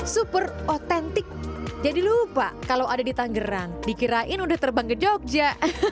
super otentik jadi lupa kalau ada di tangerang dikirain udah terbang ke jogja